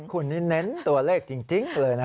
คุณนี่เน้นตัวเลขจริงเลยนะ